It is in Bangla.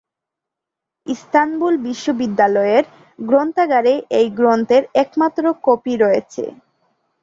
ইস্তানবুল বিশ্ববিদ্যালয়ের গ্রন্থাগারে এই গ্রন্থের একমাত্র কপি রয়েছে।